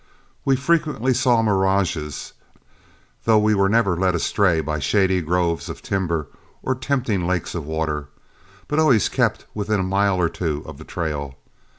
We frequently saw mirages, though we were never led astray by shady groves of timber or tempting lakes of water, but always kept within a mile or two of the trail.